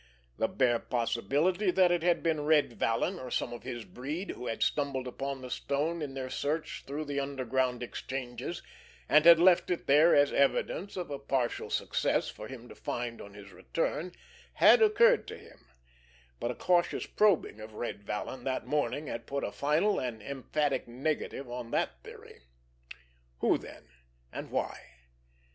The bare possibility that it had been Red Vallon, or some of his breed, who had stumbled upon the stone in their search through the underground exchanges, and had left it there as evidence of a partial success for him to find on his return, had occurred to him; but a cautious probing of Red Vallon that morning had put a final and emphatic negative on that theory. Who, then? And why?